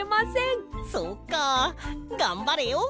そっかがんばれよ！